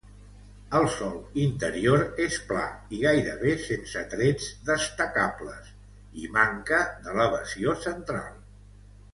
El sòl interior és pla i gairebé sense trets destacables, i manca d'elevació central.